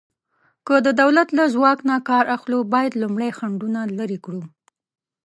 که د دولت له ځواک نه کار اخلو، باید لومړی خنډونه لرې کړو.